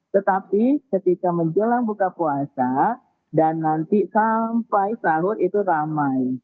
tetapi ketika menjelang buka puasa dan nanti sampai sahur itu ramai